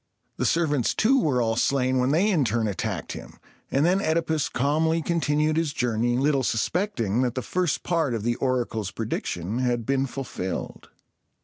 The servants too were all slain when they in turn attacked him; and then OEdipus calmly continued his journey, little suspecting that the first part of the oracle's prediction had been fulfilled.